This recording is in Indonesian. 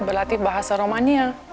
belati bahasa romania